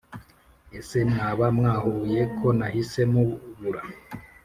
Ese mwaba mwahuye ko nahise mubura